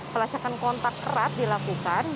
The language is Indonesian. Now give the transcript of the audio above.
pelacakan kontak kerat dilakukan